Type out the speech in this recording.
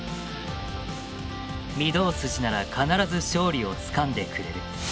御堂筋なら必ず勝利をつかんでくれる。